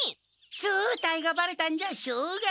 正体がバレたんじゃしょうがない。